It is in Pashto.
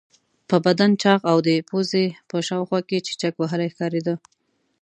په بدن چاغ او د پوزې په شاوخوا کې چیچک وهلی ښکارېده.